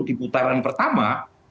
di putaran pertama